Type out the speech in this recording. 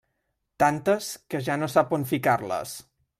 Tantes, que ja no sap on ficar-les.